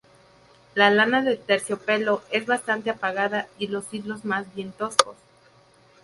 La lana del terciopelo es bastante apagada y los hilos más bien toscos.